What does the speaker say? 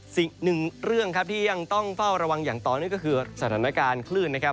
สิ่งหนึ่งเรื่องครับที่ยังต้องเฝ้าระวังอย่างต่อเนื่องก็คือสถานการณ์คลื่นนะครับ